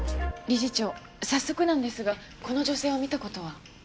理事長早速なんですがこの女性を見た事は？